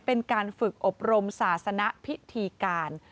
เป็นการฝึกอบรมศาสนพิธีการ